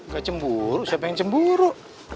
gak cemburu siapa yang cemburu